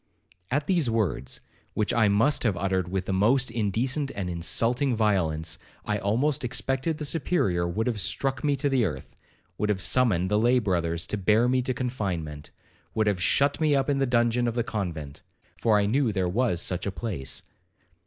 'At these words, which I must have uttered with the most indecent and insulting violence, I almost expected the Superior would have struck me to the earth,—would have summoned the lay brothers to bear me to confinement,—would have shut me up in the dungeon of the convent, for I knew there was such a place.